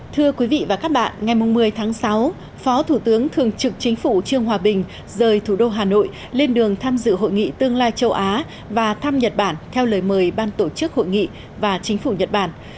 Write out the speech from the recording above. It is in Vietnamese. thưa quý vị và các bạn ngày một mươi tháng sáu phó thủ tướng thường trực chính phủ trương hòa bình rời thủ đô hà nội lên đường tham dự hội nghị tương lai châu á và thăm nhật bản theo lời mời ban tổ chức hội nghị và chính phủ nhật bản